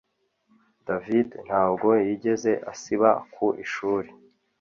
David ntabwo yigeze asiba ku ishuri